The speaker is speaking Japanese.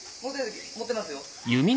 持ってますよ。